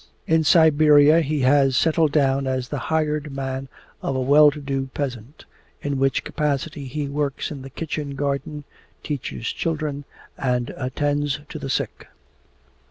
In Siberia he has settled down as the hired man of a well to do peasant, in which capacity he works in the kitchen garden, teaches children, and attends to the sick.